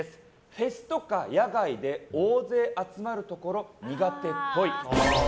フェスとか野外で大勢集まるところ苦手っぽい。